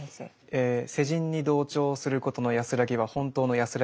え世人に同調することの安らぎは本当の安らぎなのか。